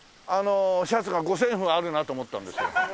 シャツが五線譜あるなと思ったんですよ。